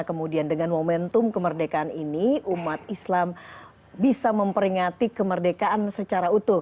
kemudian dengan momentum kemerdekaan ini umat islam bisa memperingati kemerdekaan secara utuh